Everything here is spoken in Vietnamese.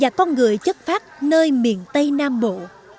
và con người chất phát nơi miền tây nam bộ